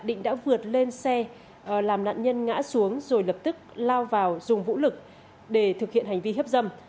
định đã vượt lên xe làm nạn nhân ngã xuống rồi lập tức lao vào dùng vũ lực để thực hiện hành vi hiếp dâm